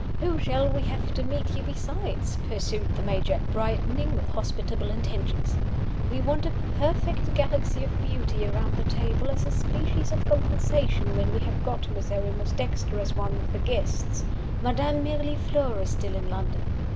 Who shall we have to meet you besides?" pursued the Major, brightening with hospitable intentions. "We want a perfect galaxy of beauty around the table, as a species of compensation when we have got Miserrimus Dexter as one the guests. Madame Mirliflore is still in London.